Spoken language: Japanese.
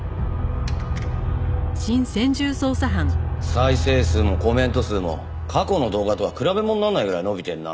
再生数もコメント数も過去の動画とは比べものにならないぐらい伸びてるな。